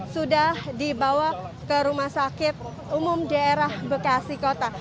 sudah dibawa ke rumah sakit umum daerah bekasi kota